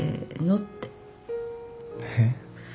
えっ？